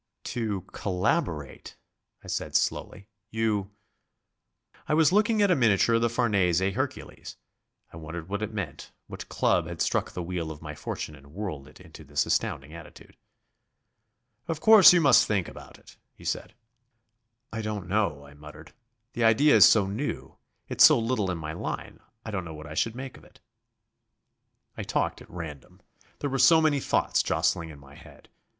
"To collaborate," I said slowly. "You...." I was looking at a miniature of the Farnese Hercules I wondered what it meant, what club had struck the wheel of my fortune and whirled it into this astounding attitude. "Of course you must think about it," he said. "I don't know," I muttered; "the idea is so new. It's so little in my line. I don't know what I should make of it." I talked at random. There were so many thoughts jostling in my head.